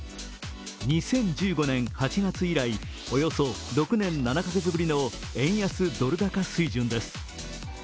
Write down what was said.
２０１５年８月以来、およそ６年７カ月ぶりの円安ドル高水準です。